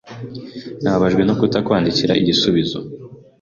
Nababajwe no kutakwandikira igisubizo.